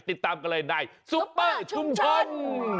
ติดตามกันเลยในซุปเปอร์ชุมชน